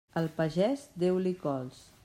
Al pagès, deu-li cols.